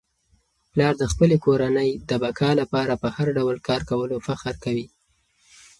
پلار د خپلې کورنی د بقا لپاره په هر ډول کار کولو فخر کوي.